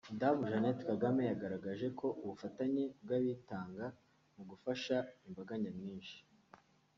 Madamu Jeannette Kagame yagaragaje ko ubufatanye bw’abitanga mu gufasha imbaga nyamwinshi